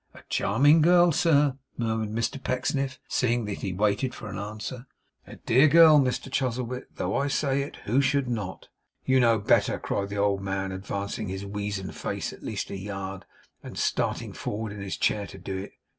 'A charming girl, sir,' murmured Mr Pecksniff, seeing that he waited for an answer. 'A dear girl, Mr Chuzzlewit, though I say it, who should not.' 'You know better,' cried the old man, advancing his weazen face at least a yard, and starting forward in his chair to do it.